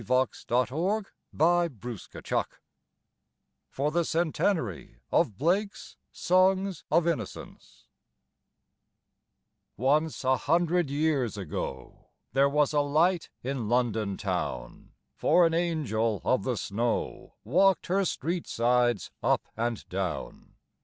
THE COUNTRY OF HAR For the Centenary of Blake's "Songs of Innocence" Once a hundred years ago There was a light in London town, For an angel of the snow Walked her street sides up and down.